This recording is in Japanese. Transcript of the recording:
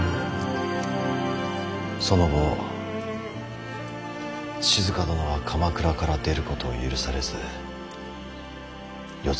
その後静殿は鎌倉から出ることを許されずよ